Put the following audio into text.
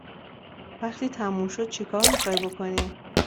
وقتی تمام شد چکار می خواهی بکنی؟